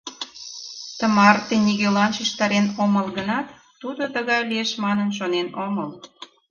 Тымарте нигӧлан шижтарен омыл гынат, тудо тыгай лиеш манын шонен омыл.